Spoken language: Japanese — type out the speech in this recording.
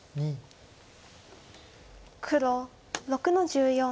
黒６の十四。